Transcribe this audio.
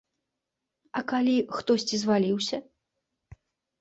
А калі хтосьці зваліўся?